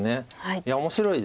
いや面白いです。